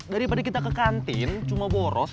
daripada kita ke kantin cuma boros